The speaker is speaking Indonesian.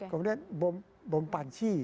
kemudian bom panci